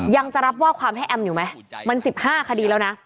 ยังจะรับว่าความให้แอมอยู่ไหมมัน๑๕คดีแล้วนะ